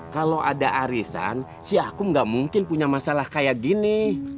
kalau ada arisan si aku gak mungkin punya masalah kayak gini